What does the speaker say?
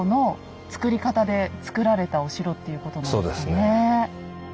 そうですね。